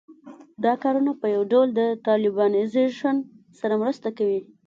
دا کارونه په یو ډول د طالبانیزېشن سره مرسته کوي